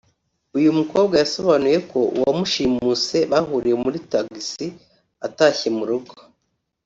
uyu mukobwa yasabonuye ko uwamushimuse bahuriye muri Taxi atashye mu rugo